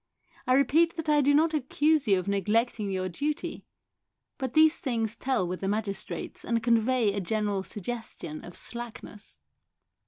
I repeat that I do not accuse you of neglecting your duty, but these things tell with the magistrates and convey a general suggestion of slackness."